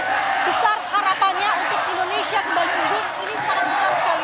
sangat besar harapannya untuk indonesia kembali unggul ini sangat besar sekali